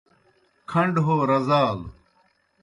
کھنڈ ہو رزالوْ